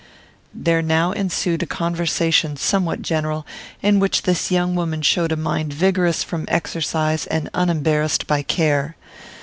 There now ensued a conversation somewhat general, in which this young woman showed a mind vigorous from exercise and unembarrassed by care.